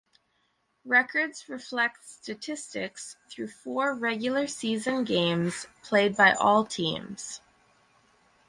Records reflect statistics through four regular season games played by all teams.